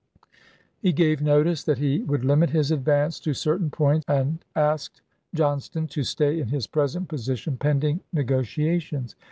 He gave notice that he would limit his advance to certain points, and asked Johnston to stay in his present position pending negotiations.